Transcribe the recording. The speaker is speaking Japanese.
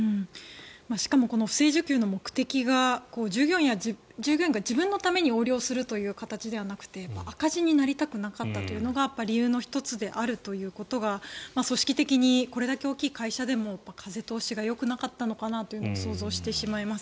しかもこの不正受給の目的が従業員が自分のために横領するという形ではなく赤字になりたくなかったというのが理由の１つであるということが組織的にこれだけ大きい会社でも風通しがよくなかったのかなと想像してしまいます。